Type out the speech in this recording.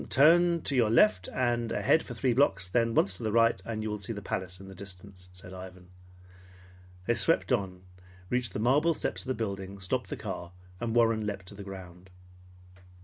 "Turn to your left and ahead for three blocks, then once to the right, and you will see the palace in the distance," said Ivan. They swept on, reached the marble steps of the building, stopped the car, and Warren leaped to the ground.